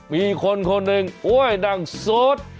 มีคนคนหนึ่งโอ๊ยดั่งโสด